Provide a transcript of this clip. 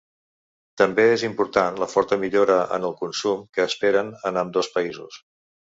També és important la forta millora en el consum que esperen en ambdós països.